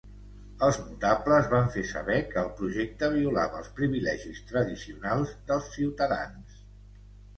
Els notables van fer saber que el projecte violava els privilegis tradicionals dels ciutadans.